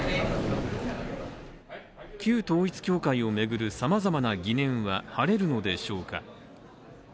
旧統一教会を巡るさまざまな疑念は晴れるのでしょうか。